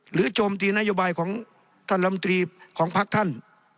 โจมตีนโยบายของท่านลำตรีของพักท่าน